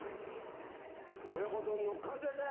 親子丼の完成です！